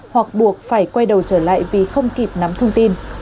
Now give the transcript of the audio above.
hoặc buộc phải quay đầu trở lại vì không kịp nắm thông tin